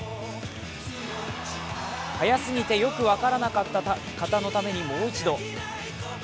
速すぎてよく分からなかった方のために、もう一度。